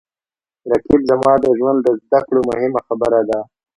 رقیب زما د ژوند د زده کړو مهمه برخه ده